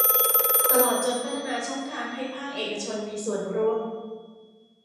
ตลอดจนพัฒนาช่องทางให้ภาคเอกชนมีส่วนร่วม